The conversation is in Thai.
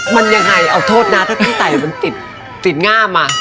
มันยังไงเอาโทษนะถ้าพี่ไต่มันติดติดง่ามอ่ะ